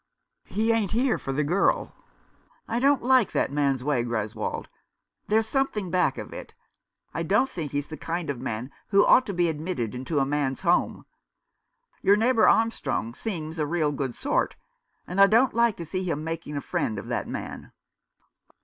" He ain't here for the girl. I don't like that man's way, Greswold. There's something back of it. I don't think he's the kind of man who ought to be admitted into a man's home. Your neigh bour Armstrong seems a real good sort, and I don't like to see him making a friend of that man."